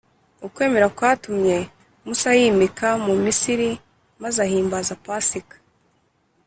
ukwemera kwatumye musa yimuka mu misiri maze ahimbaza pasika